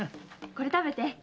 これ食べて。